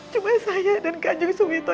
cuma saya dan kak jungsu wito